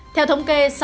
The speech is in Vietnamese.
theo thống kê